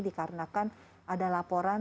dikarenakan ada laporan